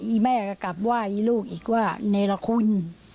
แม่ก็กลับว่าอีลูกอีกว่าเนรคุณ